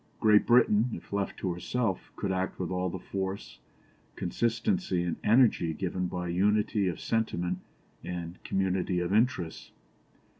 Great Britain, if left to herself, could act with all the force, consistency, and energy given by unity of sentiment and community of interests.